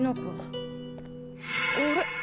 あれ？